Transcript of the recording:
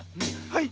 はい！